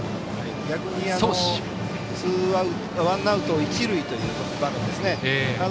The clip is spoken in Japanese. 逆にワンアウト、一塁という場面で。